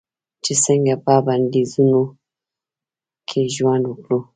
چې څنګه په بندیزونو کې ژوند وکړو.